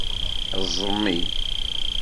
Ẓmi.